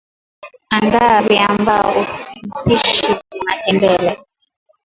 andaa viamba upishi vya matembele